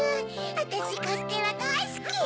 あたしカステラだいスキ！